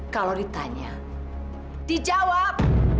kalau ditanya dijawab